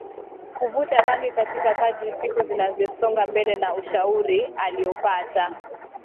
kuvuta bangi lakini kadri siku zilivyosonga mbele na ushauri aliopata